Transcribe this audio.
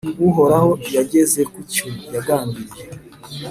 Uhoraho yageze ku cyo yagambiriye,